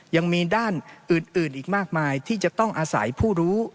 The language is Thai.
ยังมีด้านอื่นอีกมากมายที่จะต้องอาศัยผู้รู้